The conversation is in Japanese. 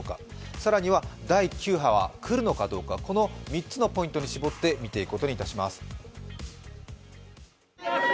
更には第９波は来るのかどうか、この３つのポイントに絞って見ていくことにいたします。